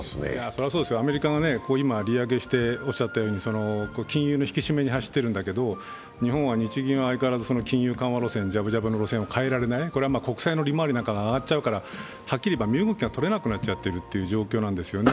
それはそうですよ、アメリカが利上げして、金融の引き締めに走ってるんだけど日本は、日銀は相変わらずジャブジャブの金融緩和路線を変えられない、これは国債の利回りが上がっちゃうからはっきり言えば身動きがとれなくなっちゃっている状況なんですね。